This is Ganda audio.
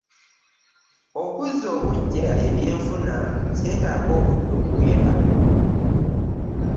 Okuzza obuggya ebyenfuna kyetaaga obudde obuwera.